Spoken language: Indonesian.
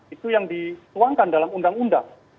itu yang dituangkan dalam undang undang